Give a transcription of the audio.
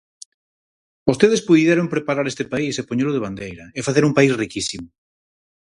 Vostedes puideron preparar este país e poñelo de bandeira, e facer un país riquísimo.